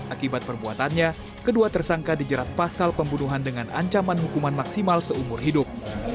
akibat perbuatannya kedua tersangka dijerat pasal pembunuhan dengan ancaman hukuman maksimal seumur hidup